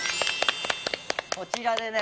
こちらでね